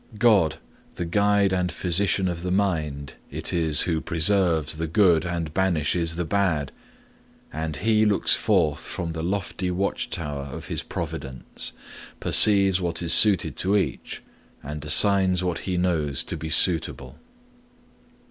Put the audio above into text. God, the guide and physician of the mind, it is who preserves the good and banishes the bad. And He looks forth from the lofty watch tower of His providence, perceives what is suited to each, and assigns what He knows to be suitable.